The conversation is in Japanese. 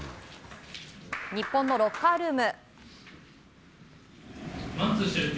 日本のロッカールーム。